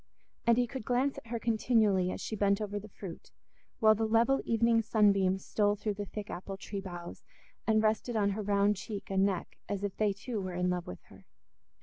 And he could glance at her continually as she bent over the fruit, while the level evening sunbeams stole through the thick apple tree boughs, and rested on her round cheek and neck as if they too were in love with her.